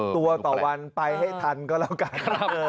ตัวต่อวันไปให้ทันก็แล้วกัน